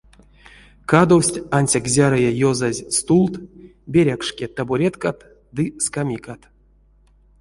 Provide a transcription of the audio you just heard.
Кадовсть ансяк зярыя ёзазь стулт, берякшке табуреткат ды скамикат.